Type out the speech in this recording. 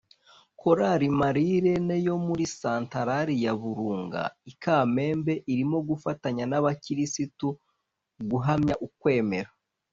Korali Marie Reine yo muri Santarari ya Burunga i Kamembe irimo gufatanya n’abakirisitu guhamya ukwemera